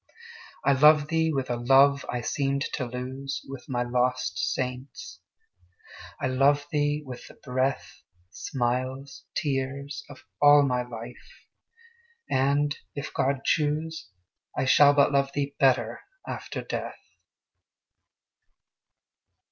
I love thee with a love I seemed to lose With my lost saints, I love thee with the breath, Smiles, tears, of all my life! and, if God choose, I shall but love thee better after death.